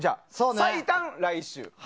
最短、来週。